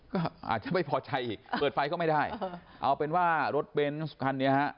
ก็อาจจะไม่พอใจอีกเปิดไฟก็ไม่ได้เอาเป็นว่ารถเบนส์คันนี้ฮะ